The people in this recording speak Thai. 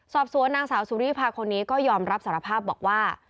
สอบสวนนางสาวสุริพาคนนี้ก็ยอมรับสารภาพบอกว่า